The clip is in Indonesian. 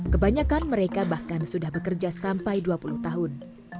kebanyakan mereka bahkan sudah bekerja sampai dua puluh tahun